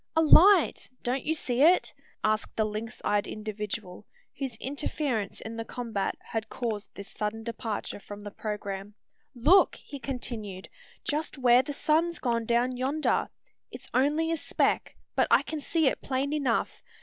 "A light! Don't you see it?" asked the lynx eyed individual, whose interference in the combat had caused this sudden departure from the programme. "Look!" he continued; "just where the sun's gone down yonder. It's only a speck; but I can see it plain enough.